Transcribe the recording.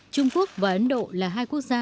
trung quốc và ấn độ là hai quốc gia